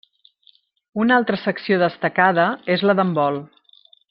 Una altra secció destacada és la d'handbol.